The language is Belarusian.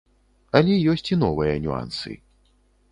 Але ёсць і новыя нюансы.